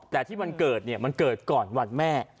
แต่ที่มันเกิดเนี่ยมันเกิดก่อนวันแม่